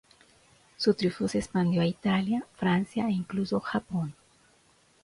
Su triunfo se expandió a Italia, Francia e incluso Japón.